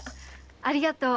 ありがとう。